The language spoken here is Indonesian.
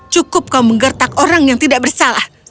cukup kau menggertak orang yang tidak bersalah